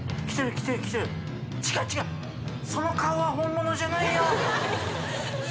覆燭筺その顔は本物じゃない。